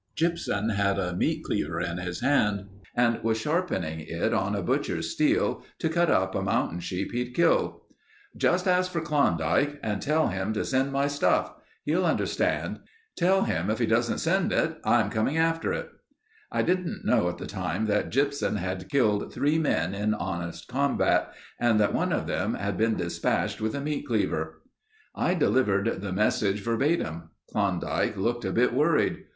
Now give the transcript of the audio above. Gypsum had a meat cleaver in his hand and was sharpening it on a butcher's steel to cut up a mountain sheep he'd killed. "'Just ask for Klondike and tell him to send my stuff. He'll understand. Tell him if he doesn't send it, I'm coming after it.' "I didn't know at the time that Gypsum had killed three men in honest combat and that one of them had been dispatched with a meat cleaver. "I delivered the message verbatim. Klondike looked a bit worried.